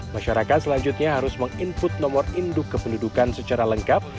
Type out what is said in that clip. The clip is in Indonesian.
masyarakat selanjutnya harus menginput nomor induk kependudukan secara lengkap